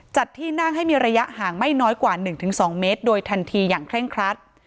ที่นั่งให้มีระยะห่างไม่น้อยกว่า๑๒เมตรโดยทันทีอย่างเคร่งครัด